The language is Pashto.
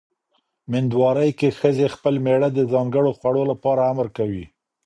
مېندوارۍ کې ښځې خپل مېړه د ځانګړو خوړو لپاره امر کوي.